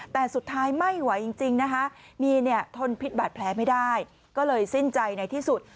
แต่สุดท้ายไม่ไหวจริงนะคะมีเนี่ยทนพิษบาดแผลไม่ได้ก็เลยสิ้นใจในที่สุด